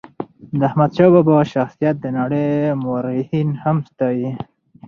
د احمد شاه بابا شخصیت د نړی مورخین هم ستایي.